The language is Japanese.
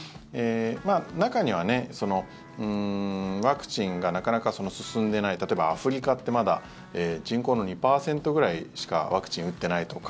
中にはワクチンがなかなか進んでいない例えば、アフリカってまだ人口の２％ぐらいしかワクチンを打ってないとか